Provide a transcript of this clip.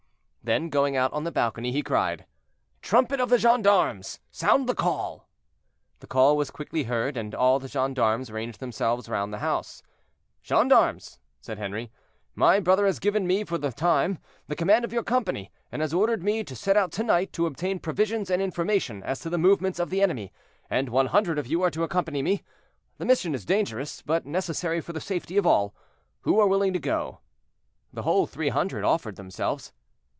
Then, going out on the balcony, he cried: "Trumpet of the gendarmes, sound the call." The call was quickly heard, and all the gendarmes ranged themselves round the house. "Gendarmes," said Henri, "my brother has given me, for the time, the command of your company, and has ordered me to set out to night to obtain provisions and information as to the movements of the enemy, and one hundred of you are to accompany me; the mission is dangerous, but necessary for the safety of all. Who are willing to go?" The whole three hundred offered themselves.